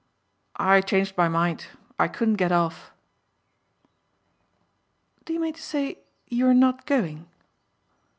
"I changed my mind. I couldn't get off." "Do you mean to say you're not going?"